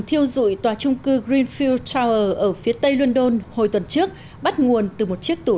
thiêu dụi tòa trung cư greenfield tower ở phía tây london hồi tuần trước bắt nguồn từ một chiếc tủ